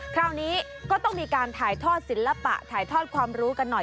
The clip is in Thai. คราวนี้ก็ต้องมีการถ่ายทอดศิลปะถ่ายทอดความรู้กันหน่อย